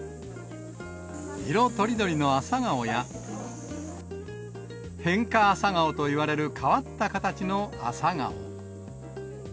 色とりどりの朝顔や、変化朝顔といわれる変わった形の朝顔。